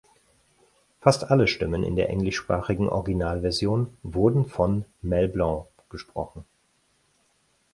Fast alle Stimmen in der englischsprachigen Originalversion wurden von Mel Blanc gesprochen.